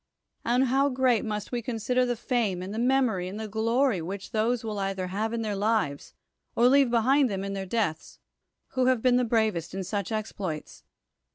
And how great must we consider the fame, and the memory, and the glory which those will either have in their lives, or leave be hind them in their deaths, who have been the bravest in such exploits?